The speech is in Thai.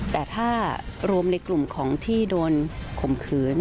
แต่ถ้ารวมในกลุ่มของที่โดนข่มขืน